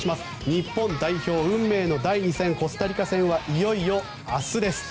日本代表、運命の第２戦コスタリカ戦はいよいよ明日です。